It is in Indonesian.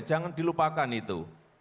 jangan dilupakan itu